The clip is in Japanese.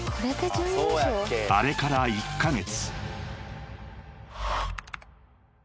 ［あれから１カ月］